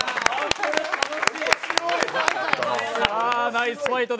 ナイスファイト。